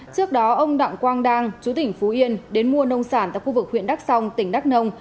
trước đó ông đặng quang đang chú tỉnh phú yên đến mua nông sản tại khu vực huyện đắk song tỉnh đắk nông